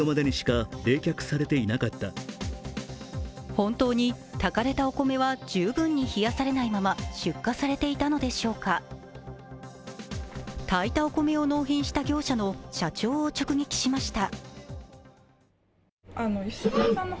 本当に炊かれたお米は十分に冷やされないまま出荷されていたのでしょうか炊いたお米を納品した業者の社長を直撃しました。